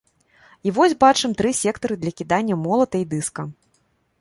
А вось бачым тры сектары для кідання молата і дыска.